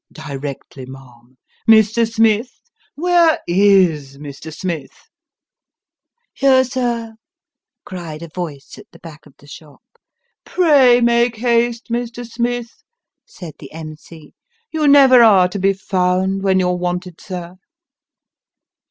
" Directly, ma'am. Mr. Smith ! Where is Mr. Smith ?"" Here, sir," cried a voice at the back of the shop." " Pray make haste, Mr. Smith," said the M.C. " You never are to be found when you're wanted, sir."